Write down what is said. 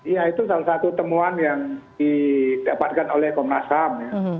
ya itu salah satu temuan yang didapatkan oleh komnas ham